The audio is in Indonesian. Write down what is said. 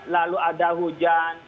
lalu ada hujan